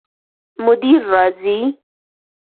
مدیر راځي؟